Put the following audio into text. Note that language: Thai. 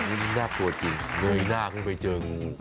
อื้อน่ากลัวจริงเงยหน้าเข้าไปเจองู